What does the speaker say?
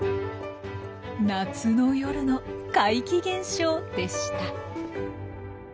夏の夜の怪奇現象でした。